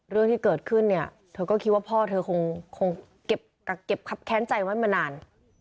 เรื่องที่เกิดขึ้นเนี่ยเธอก็คิดว่าพ่อเธอคงเก็บครับแค้นใจไว้มานาน